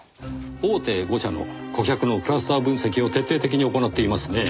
大手５社の顧客のクラスター分析を徹底的に行っていますねぇ。